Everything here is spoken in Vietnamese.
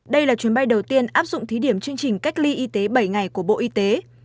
đây là chuyến bay đầu tiên áp dụng thí điểm chương trình cách ly y tế bảy ngày của bộ y tế